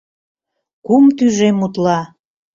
— Кум тӱжем утла.